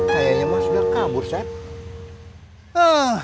sayangnya mah sudah kabur seth